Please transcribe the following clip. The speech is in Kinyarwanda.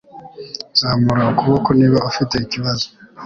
Zamura ukuboko niba ufite ikibazo.